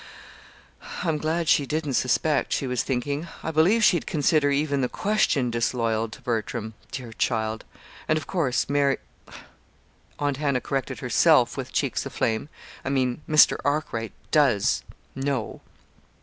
"I'm glad she didn't suspect," she was thinking. "I believe she'd consider even the question disloyal to Bertram dear child! And of course Mary" Aunt Hannah corrected herself with cheeks aflame "I mean Mr. Arkwright does know."